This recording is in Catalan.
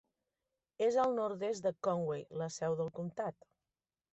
És al nord-est de Conway, la seu del comtat.